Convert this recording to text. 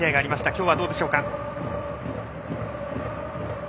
今日はどうでしょうか。